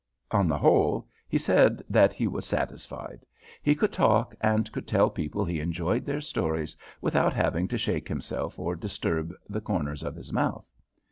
On the whole, he said that he was satisfied. He could talk and could tell people he enjoyed their stories without having to shake himself or disturb the corners of his mouth.